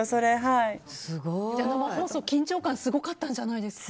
生放送、緊張感すごかったんじゃないですか？